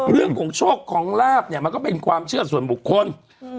เรื่องของโชคของลาบเนี่ยมันก็เป็นความเชื่อส่วนบุคคลอืม